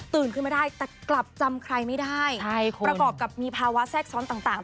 ขึ้นมาได้แต่กลับจำใครไม่ได้ประกอบกับมีภาวะแทรกซ้อนต่าง